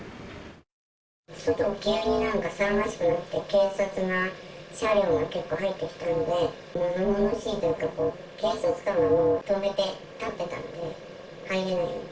外が急になんか騒がしくなって、警察車両が結構入ってきたんで、ものものしいというか、警察官がもう止めて、立ってたので、入れないように。